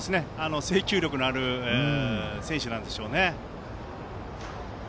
制球力のある選手なんでしょうね。